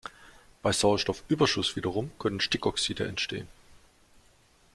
Bei Sauerstoffüberschuss wiederum können Stickoxide entstehen.